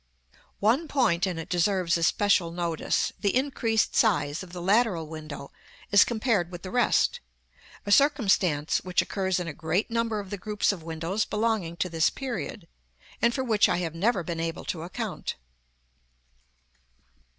One point in it deserves especial notice, the increased size of the lateral window as compared with the rest: a circumstance which occurs in a great number of the groups of windows belonging to this period, and for which I have never been able to account.